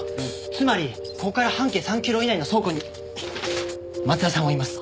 つまりここから半径３キロ以内の倉庫に松田さんはいます！